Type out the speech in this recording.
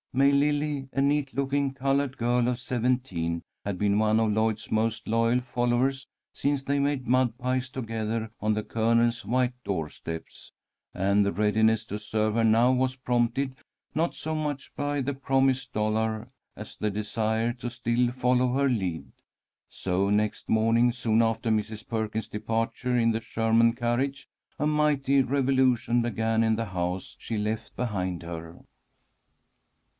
May Lily, a neat looking coloured girl of seventeen, had been one of Lloyd's most loyal followers since they made mud pies together on the Colonel's white door steps, and the readiness to serve her now was prompted not so much by the promised dollar as the desire to still follow her lead. So next morning, soon after Mrs. Perkins's departure in the Sherman carriage, a mighty revolution began in the house she left behind her.